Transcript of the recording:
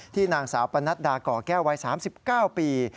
ที่นางสาวปะนัดดาก่อแก้วไว้๓๙ปี